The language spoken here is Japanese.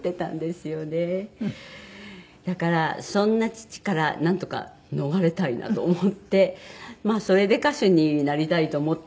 だからそんな父からなんとか逃れたいなと思ってまあそれで歌手になりたいと思ったようなところも。